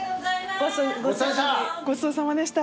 ごちそうさまでした！